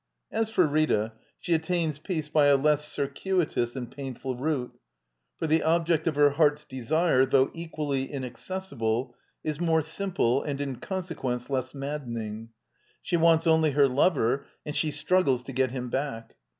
As for Rita, she attains peace by a less circuitous and painful route, for the object of her heart's de sire, though equally inaccessible, is more simple, and in consequence, less maddening. She wants only her lover and she struggles to get him back.